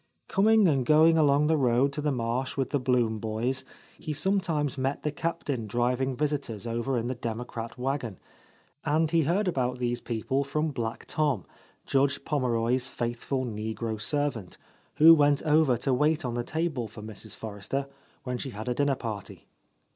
Coming and going along the road to the marsh with the Blum boys, he sometimes met the Captain driving visitors over in the democrat wagon, and he heard about these peo ple from Black Tom, Judge Pommeroy's faithful negro servant, who went over to wait on the table for Mrs. Forrester when she had a dinner party.